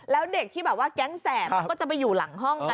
แล้วเด็กที่แบบว่าแก๊งแสบมันก็จะไปอยู่หลังห้องกัน